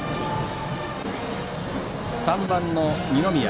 ３番の二宮。